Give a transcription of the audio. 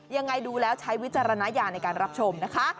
ยังไงดูแล้วใช้วิจารณญาณในการรับชมนะคะ